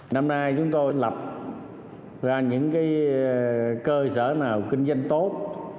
năm nay chúng tôi lập ra những cơ sở nào kinh doanh tốt